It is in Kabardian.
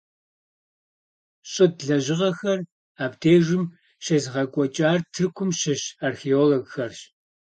ЩӀытӀ лэжьыгъэхэр абдежым щезыгъэкӀуэкӀар Тыркум щыщ археологхэрщ.